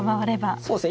そうですね。